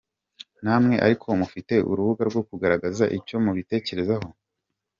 Namwe ariko mufite urubuga rwo kugaragaza icyo mubitekerezaho.